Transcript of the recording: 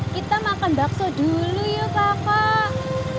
kita makan bakso dulu ya kak pak